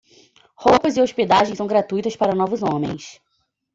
Roupas e hospedagem são gratuitas para novos homens.